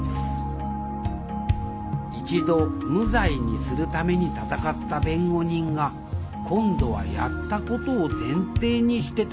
一度無罪にするために闘った弁護人が今度はやったことを前提にして闘う。